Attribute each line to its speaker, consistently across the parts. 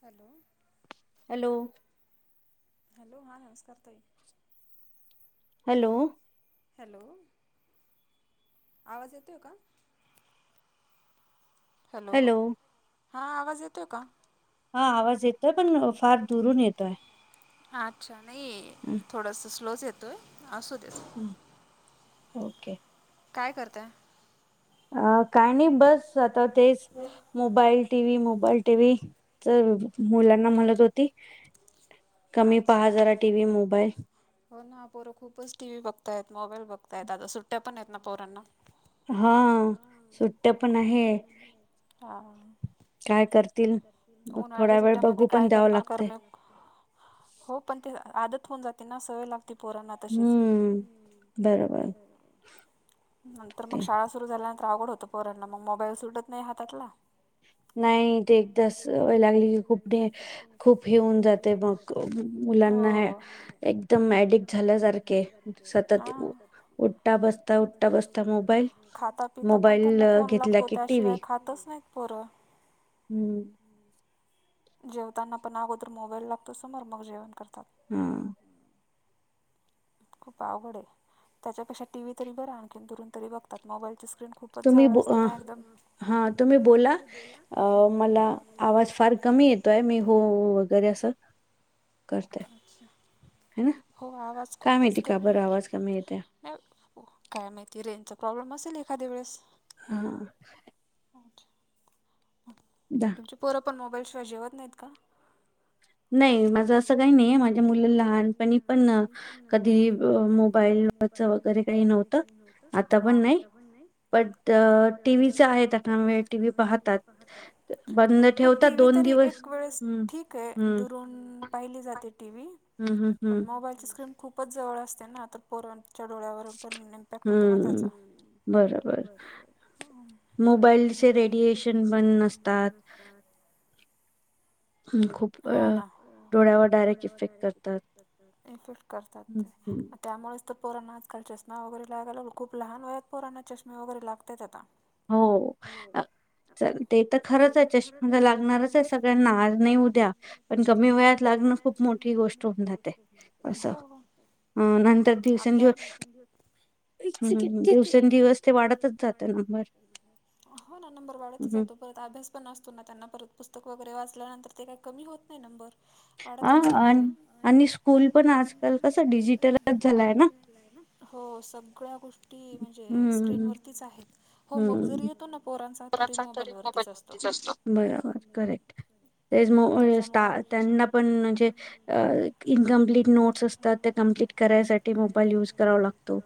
Speaker 1: Hello.
Speaker 2: Hello.
Speaker 1: Hello हा नमस्कार ताई.
Speaker 2: हॅलो.
Speaker 1: हॅलो. आवाज येतोय का? हॅलो हां आवाज येतोय का?
Speaker 2: हां आवाज येतोय पण फार दुरून येतोय.
Speaker 1: हा अच्छा नाही थोडंस स्लोच येतो ये असू दे.
Speaker 2: ओके.
Speaker 1: काय करताय?
Speaker 2: अ काय नाही बस आता तेच. Mobile T V mobile T व्हीच मुलांना म्हणत होती. कमी पहा जरा टी व्ही मोबाईल.
Speaker 1: हो ना पोरं खूपच टी व्ही बघताय आहेत मोबाईल बघताय आहेत आता सुट्टया पण आहेत ना पोरांना. [inaudible] हा हा हा. उन्हाळ्याच्या सुट्यांमध्ये काय करणार करणे हो पण ते आदत होऊन जाते ना सवय लागते पोरांना तशीच हम्म हो. नंतर मग शाळा सुरू झाल्यानंतर अवघड होतं पोरांना मग मोबाईल सुटत नाही हातातला.
Speaker 2: नाही ते एकदा सवय लागली की खूप द खूप हे हुन जाते बोल.
Speaker 1: हो, एकदम मॅजिक झाल्या सारखे हा. खांता पितां पणं त्यांनां फोन लागतो त्यांशिवाय खायचं नाहीं पोरं
Speaker 2: हम्मं
Speaker 1: जेवतांना पणं अगोदर मोबाईल लागतो समोर मंग जेवणं करतांत
Speaker 2: हम्मं
Speaker 1: खूंप अवघड आहे त्यांच्यापेक्षा टीव्ही तरी बरां आणखीन दुरूंन तरी बघतांत मोबाईल स्क्रीन खूपचं जवळं असते नां एकदंम
Speaker 2: हां तुम्हीं बोलां मलां आवांज फांर कमी येतो येतों मी हुं हुं वगैरे असं करते हनां कायं माहिती कां बरं आवांज कमी येतो
Speaker 1: नाहीं हो कायं माहिती रेजचां प्रॉब्लेम असेल एखांद्या वेळेसं
Speaker 2: हम्मं
Speaker 1: हो [unintelligible] [unintelligible]
Speaker 2: दहा
Speaker 1: तुमची पोरं पणं मोबाईलशिवाय जेवतं नाहीत कां नाहीं माझं असं कांहीं नाहीं माझ्यां मुली लहांनपणी पणं कधीं मो मोबाईल वरतं वगैरे कांहीं नव्हतं आंता पणं नाहीं
Speaker 2: बट टीव्हीचा आहे त्यांनां वेळ टीव्ही पाहाता बंद ठेवतांत दोन दिवसं हम्मं
Speaker 1: ओके दुरूंन पाहिली जाते टीव्ही पणं मोबाईलची स्क्रीन खूपचं जवळं असतें नां आता पोरांणच्यां डोळ्यांवर पणं इम्पॅक्ट होतो नां त्यांचा बरं बरं मोबाईलचे
Speaker 2: स्क्रीन बंद नसतांत
Speaker 1: असतांत
Speaker 2: हं खूंप
Speaker 1: हो नां डोळ्यांवर डायरेक्ट इफेक्टतांत इफेक्ट करतांत ते त्यांमुळेच तरं पोरांना आजकाल चष्मा वगैरें लागायंला खूंप लहांन वयांत पोरांना चष्मा वगैरें लागतं आहेतं आंता
Speaker 2: हो आंत चलं ते तरं खरंच आहे चष्मा लागणांरच आहे सगळ्यांना आंज नाहीं उद्यां पणं कमी वयांत लागणं खूंप मोठी गोष्ट होऊंन जाते असं अं नंतर दिवसेंदिवस दिवसेंदिवस ते वाढतंच जातं नंबर
Speaker 1: हो नां नंबर वाढतं जातो परंत अभ्यांस पणं असतो नां त्यांना परंत पुस्तकं वगैरें वाचल्यानंतर ते कांहीं कमी होतं नाहीं नंबर वाढतंच जाणारं आहेतं हो सगळ्यां गोष्टी म्हणजे स्क्रीनवरतीचं आहेतं होम वर्क जरी येतो नां पोरांचा
Speaker 2: कोणाचांतरी मोबाईल घरी असतो बरोबर कां रेंट तेचं मंग पणं म्हणजे इनकमप्ट नोटस असतांत त्यां कंप्लीट करण्यांसाठी मोबाईल युज करांवा लागतो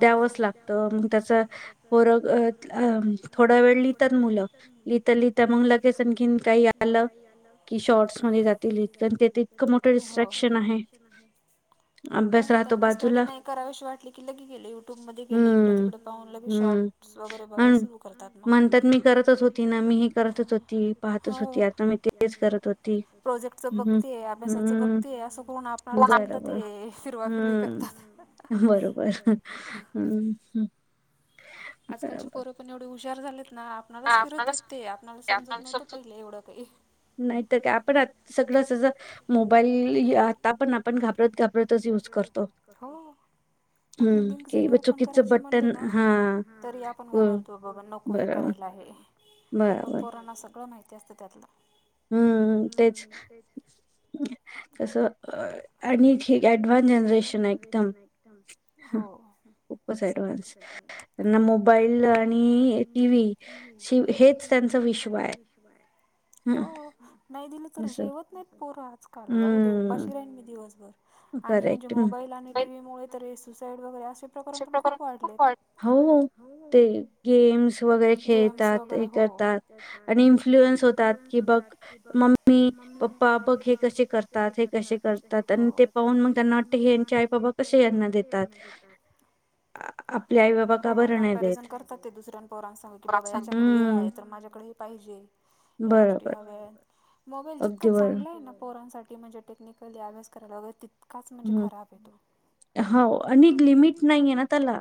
Speaker 2: द्यांवच लागतं मंग त्यांचा पोरं थोडां वेळं लिहितांत मुलं लिहितं लिहता मंग लगेचं आणखीन कांहीं आलं कि शॉर्टस मध्यें जातील
Speaker 1: हो [unintelligible] हो हो त्यांना स्टडी नाहीं करावशी वाटली की लगी गेले युट्यूबमध्ये गेले इकडे तिकडे पाहून लगे शॉर्ट वगैरें बघायंला सुरूं म्हणतांत मी करतंच होते करतं होव प्रोजेक्ट. चं बघते आहे अभ्यासाचं बघती आहे असं कोण आपणालाच उलट ते फिरवा फिरवी करतात.
Speaker 2: बरोबर हम
Speaker 1: आजकालचे पोर पण एवढे हुशार झालेत ना. आपलाच फिरत आहेत ते आपला समजत नव्हतं पहिले एवढं काही.
Speaker 2: नाहीत काय आपण आ सगळं स मोबाईल आता पण आपण घाबरत घाबर.
Speaker 1: कुठली लिंक जरी ओपन करायची म्हणली ना. तरी आपण घाबरतो बाबा नको हे करायला आहे. पण पोरांना सगळं माहिती असतं त्यातलं.
Speaker 2: हम्म तेच कस.
Speaker 1: आणि ऍडव्हान्स जनरेशन एकदम हो.
Speaker 2: खूप ॲडव्हान्स त्यांना मोबाईल आणि टी व् हे. त्यांच विश्व आहे.
Speaker 1: हो नाही दिलं तर जेवत नाहीत पोरं आजकाल राहू देऊ. उपाशी राहील मी दिवसभर आणि म्हणजे मोबाईल आणि टी व्हीमुळेळे त सुसाईड वगैरे असे. पण खूप वाढले गेम्स वगैरे हो. करतात आणि इन्फ्लुअन्स होतात की बघ मम्मी पप्पा पप हे कसे करतात. कसे खात आणि ते पाहून म्हणताना यांचे आई बाबा कसे यांना देतात. हो कंपॅरिझन करतात ते दुसऱ्या पोरां सांग की बाबा याच्याकडे हे आहेत. तर माझ्याकडे पाहिजे. या गोष्टी हव्या मोबाईल जितक चांगलं आहे ना पोरांसाठी म्हणजे टेक्निक. अभ्यास कराला वगैर तितकाच म्हणजे खराब आहे तो.
Speaker 2: हो आणि लिमिट नाहीये ना त्याला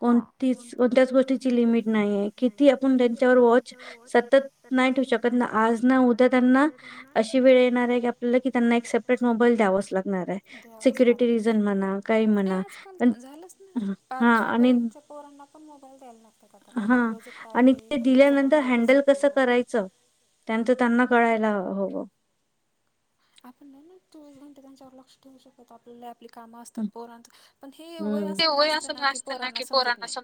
Speaker 2: कोणती कोणत्याच गोष्टीची लिमिट नाहीय. किती आपण त्यांच्यावर वॉच सतत नाही ठेवू शकत ना आज ना उद्या त्यांना. अशी वेळ येणार आहे की आपल्याला की त्यांना एक सेपरेट मोबाईल द्यावाच लागणार आहे.
Speaker 1: द्यावास लागणार आजकाल झालंच ना पाचवी पर्यंत. परना पण मोबाईल द्यालना.
Speaker 2: हा आणि ते दिल्यानंतर हँडल कसं करायचं. त्यांच त्यांना कळायला हवं.
Speaker 1: आपण नाही ना तोण त्यांच्यावर लक्ष ठेवू शकतो आपलं लॅब. आपली कामं असतात पोरांच पण हेवय असं असत ना की पोरांना समजत नाही.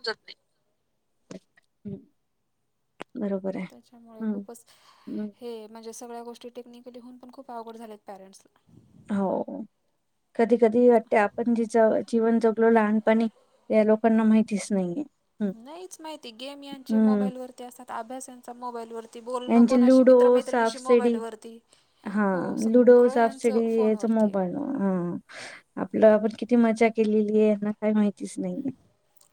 Speaker 2: बरोबर.
Speaker 1: त्याच्यामुळे खूपच हे म्हणजे सगळ्या गोष्टी टेक्निकली होऊन पण खूप आवड झाल्यात पेरेंट्स.
Speaker 2: हो. कधी कधी वाटते आपण जे जीवन जगलो लहानपणी लोक. माहितीच नाहीये.
Speaker 1: नाहीच माहिती गेम यांचे मोबाईल वरती असतात, अभ्यास यांचा मोबाईलवरती. बोलणं कोणाशी मित्रमैत्रिणीशी मोबाईल वरती.
Speaker 2: हा लुडो सापसडी याचा मोबाईल हा. आपलं आपण किती मजा केलेली आहेना. काय माहितीच नाही.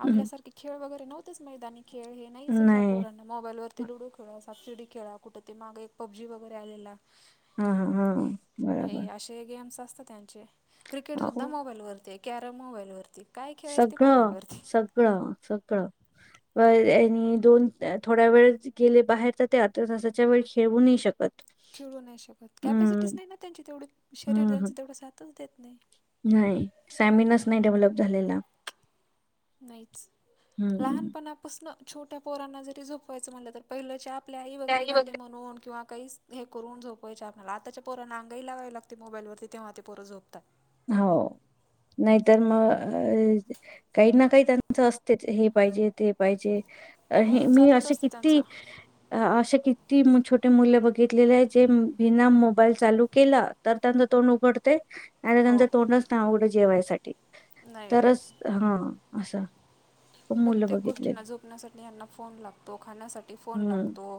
Speaker 1: आपल्यासारखे खेळ वगैरे नव्हतेच मैदानी खेळ हे नाहीच ह्या पोरण. मोबाईलवररती लुडो खेळा सातशिडी खेळा कुठे ते मागे एक पबजी वगैरे आलेला.
Speaker 2: हा हा हा ब
Speaker 1: हे अशेही गेम्स असतात त्यांचे... क्रिकेटसुद्धा मोबाईलवरती... कॅरम मोबाईलवरती
Speaker 2: सगळं... सगळं... सगळं... परत ह्यानी दोन थोड्या वेळच गेले बाहेर तर... ते अर्ध्या तासाच्या वर खेळू नाही शकत.
Speaker 1: खेळू नाही शकत. कॅपॅसिटीच नाही ना त्यांची तेवढी... शरीर त्यांचं तेवढं साथच देत नाई.
Speaker 2: न्हायी... स्टॅमिनाच नायी डेव्हलप झालेला
Speaker 1: नाहीच... लहानपणापासनं... छोट्या पोरांना जरी झोपवायचं म्हणलं... तर पहिलं जे आप आपल्या आई वगैरे गाणे म्हणून किंवा काहीच हे करून झोपावायचे आम्हाला. आताच्या पोरांना अंगाई लाावावी लागते मोबाईलवरती... तेव्हा ते पोरं झोपतात.
Speaker 2: हो... नाहीतर मग काही ना काही त्यांचं असतेच... हे पाहिजे... ते पाहिजे अ... हे... मी असे किती अ... अशे किती छोटे मुले बघितलेले आहेत... जे बिना मोबाईल चालू केला तर त्यांचं तोंड उघडते आणि त्यांचं तोंडच नाय उघडत जेवायसाठी... तरच हा... असं
Speaker 1: प्रत्येक गोष्टींना... झोपण्यासाठी यांना फोन लागतो... खाण्यासाठी फोन लागतो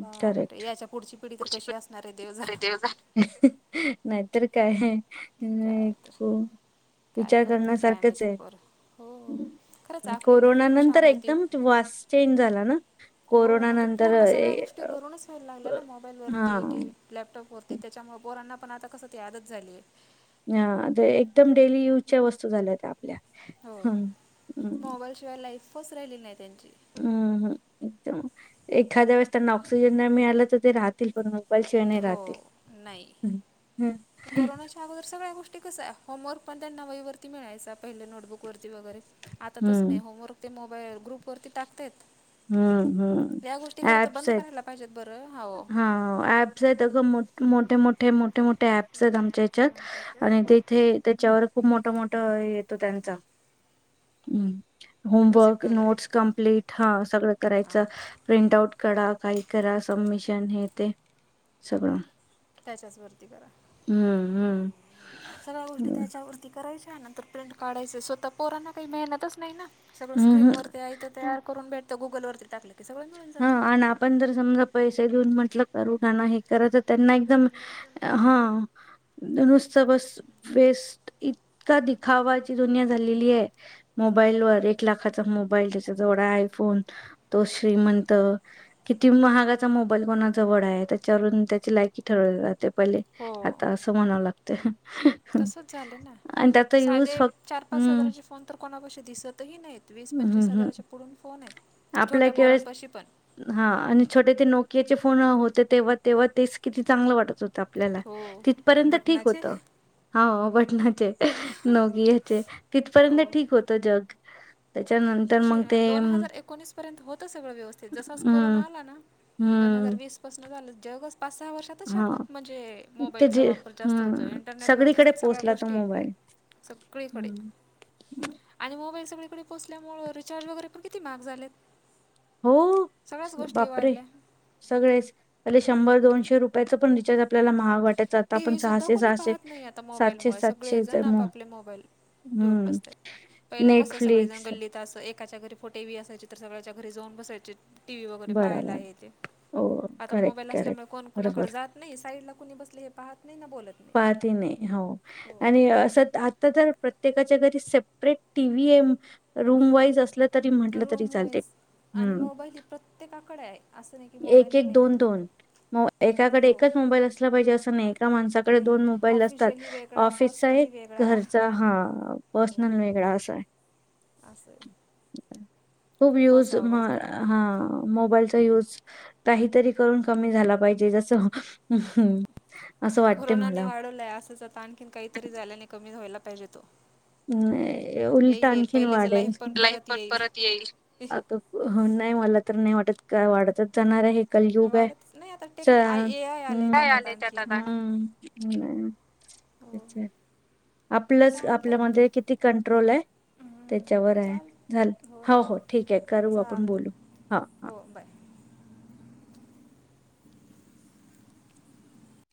Speaker 1: बापरे... याच्या पुढची पिढी तर कशी असणार आहे देवजाणे
Speaker 2: देव जाणे हं हं हं.... नाहीतर काय... हं... नाई... हो. विचार करण्यासारखंच है. कोरोना नंतर एकदम वास चेंज झाला ना? कोरोना नंतर
Speaker 1: पूर्ण सगळ्या गोष्टी घरूनच व्हायला लागल्या ना... मोबाईलवरती... टी व्ही लॅपटॉप वरती... त्याच्यामुळे पोरांना पण आता कसं ती आदत झालीये
Speaker 2: हा... एकदम डेली यूजच्या वस्तू झाल्या... त्या आपल्या हहं... हं.
Speaker 1: शिवाय लाईफच राहिली नाही त्यांची.
Speaker 2: हुं... हुं... एखाद्या वेळेस त्यांना ऑक्सिजन नाही मिळाला तर ते राह राहतील पण मोबाईल शिवाय नाई राहतील... हम्म... हुं.
Speaker 1: कोरोनाच्या अगोदर सगळ्या गोष्टी कश्या... होमवर्क पण त्यांना वही वरती मिळायचा... पहिलं नोटबुकवरती. वगैरे... आता तसं नाई... होमवर्क ते मोबाईल ग्रुप वरती टाकतेत
Speaker 2: हम्म हम्म... ऍप्स हेत.
Speaker 1: पाहिजेत बरं... हा... हो.
Speaker 2: हा... ऍप्स आहेत अगं.. मोठं... मोठया-मोठया ते मोठे मोठे ऍप्स आहेत आमच्या हेच्यात आणि तेथे त्याच्यावर खूप मोठं-मोठं येतो त्यांचा... हम्म. होमवर्क... नोट्स कम्प्लीट... हा सगळं करायचं प्रिंट आउट काढा... काही करा... सबमिशन हे ते... सगळं
Speaker 1: त्याच्याच वरती करा. सगळ्या गोष्टी त्याच्यावरती ती करायची, नंतर प्रिंट काढायचे... स्वतः पोरांना काही मेहनतच नाही ना सगळं स्क्रीन वरती आयतं तयार करून भेटतं... गुगल वरती टाकलं की सगळं मिळून जातं
Speaker 2: पण जर समजा पैसे घेऊन म्हटलं करू.... त्यांना हे खरंचच - त्यांना एकदम हा नुसतं बस... फेस्ट... इतका दिखावाची दुनिया झालेली ए मोबाईलवर... एक लाखाचा मोबाईल त्याचा... जेवढा आयफोन... तो श्रीमंत किती महागाचा मोबाईल कोणा जवळ आहे त्याच्यावरून त्याची लायकी ठरवली जाते पहिले आता असं म्हणावं लागतं... हं... हं.
Speaker 1: तसंच झाले ना... साधे चार पाच हजाराचे फो फोन तर कोणापाशी दिसतही नाहीत वीस पंचवीस हजाराच्या पुढून फोन आहेत छोट्या पोरांपशी पण
Speaker 2: हा आणि छोटे ते नोकियाचे फोन होते तेव्हा तेव्हा तेच किती चांगलं वाटत होत. आपल्याला तिथपर्यंत ठीक होतं. हाव बटनाचे नोकियाचे तिथपर्यंत ठीक होतं जग
Speaker 1: छे दोन हजार एकोणीस पर्यंत होत सगळं व्यवस्थित जसास कोरोना आला ना दोन हजार वीस पासन झालं जगच पाच सहा वर्षातच ह्या खूप म्हणजे मोबाईलचा वापर जास्त होतो इंटरनेटवरतिचेत सगळ्या गोष्टी सगळीकडे आणि मोबाईल सगळीकडे पोचल्यामुळ रिचार्ज वगैरे पण किती महाग झालेत. सगळ्याच गोष्टी वाढल्या.
Speaker 2: सगळेचपहिले शंभर दोनशे रुपयाचं पण रिचार्ज आपल्याला महाग वाटा
Speaker 1: टीव्ही सुद्धा कोणी पाहत नाही आता मोबाईलमुळे सगळे जण आप आपले मोबाईल घेऊन बसत्यात पहिलं कस सगळेजण गल्लीत अस एक एकाच्या घरी फोटे बी असायचे तर सगळ्याच्या घरी जाऊन बसायचे. टी व्ही वगैरे पाहायला येते आता मोबाईल असल्यामुळे कोण कुणाकड जात नाही साईडला कुणी बसले हे पाहत नाही ना बोलती.
Speaker 2: ना ती नाही हो आणि अस आता तर प्रत्येकाच्या घरी सेपरेट टी व्हीये रूम वाईज असलं तरी म्हंटलं तरी चालते हम् एक एक दोन दोन म एकाकडे एकच मोबाईल असला पाहिजे असं नाही एका माणसा कडे दोन मोबाईल असतात ऑफिसचा एक घरचा हा पर्सनल वेगळा असा आहे. खूप यूज म हा मोबाईलचा यूज काहीतरी करून कमी झाला पाहिजे जसं असं वाट
Speaker 1: कोरोनाने वाढवला असंच आता आणखीन काहीतरी झाल्याने कमी व्हायला पाहिजे तो
Speaker 2: नाही उलटा आणखीन वाढेल लाईफ पण परत येईल आता ह नाही मला तर नाही वाटत काय वाढतच जाणारे हे कलयुगाय च हम्म काय आणि त्यात आता हम् नाही तेचय आपलंच ते किती कंट्रोलय त्याच्यावराय झाल हो हो ठीकय करू आपण बोलू हा हा